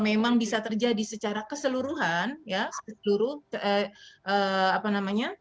memang bisa terjadi secara keseluruhan ya